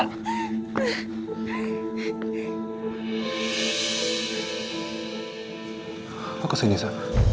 apa kesini sa